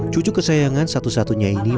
cucu kesayangan satu satunya ini